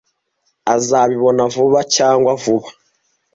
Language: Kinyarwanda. Azabibona vuba cyangwa vuba.